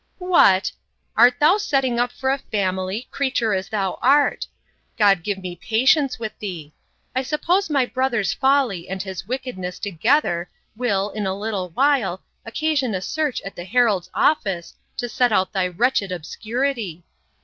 What! art thou setting up for a family, creature as thou art! God give me patience with thee! I suppose my brother's folly, and his wickedness, together, will, in a little while, occasion a search at the heralds' office, to set out thy wretched obscurity!